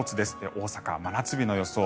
大阪は真夏日の予想。